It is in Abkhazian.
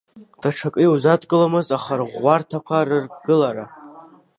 Даҽакы иузадкыломызт ахырӷәӷәарҭақәа рыргылара.